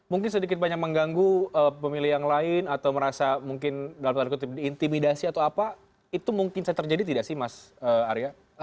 mungkin sedikit banyak mengganggu pemilih yang lain atau merasa mungkin dalam tanda kutip diintimidasi atau apa itu mungkin bisa terjadi tidak sih mas arya